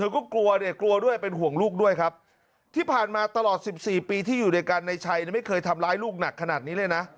ก็กลัวเนี่ยกลัวด้วยเป็นห่วงลูกด้วยครับที่ผ่านมาตลอด๑๔ปีที่อยู่ด้วยกันในชัยไม่เคยทำร้ายลูกหนักขนาดนี้เลยนะ